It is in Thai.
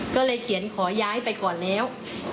ก็เลยเขียนขอย้ายไปก่อนแล้ว